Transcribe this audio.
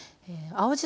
青じ